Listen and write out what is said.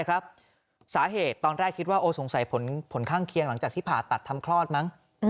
สาเหตุตอนแรกคิดว่าสงสัยผลข้างเคียงหลังจากที่ผ่าตัดทำคลอดมั้ง